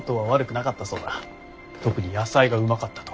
特に野菜がうまかったと。